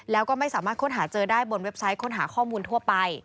แล้วก็ไม่สามารถค้นหาเจอได้บนเว็บไซต์ค้นหาข้อมูลทั่วไป